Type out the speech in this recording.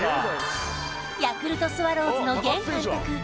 ヤクルトスワローズの現監督